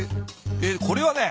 えこれはね